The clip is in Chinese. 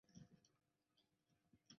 瑞亚克。